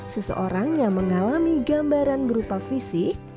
seseorang yang mengalami gambaran berupa fisik